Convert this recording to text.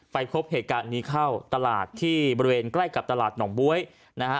พบเหตุการณ์นี้เข้าตลาดที่บริเวณใกล้กับตลาดหนองบ๊วยนะฮะ